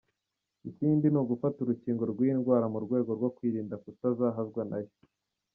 Ikindi ni ugufata urukingo rw’iyi ndwara mu rwego rwo kwirinda kutazahazwa nayo.